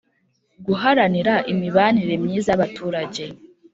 Guharanira imibanire myiza y abaturage